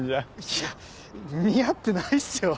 いや似合ってないっすよ。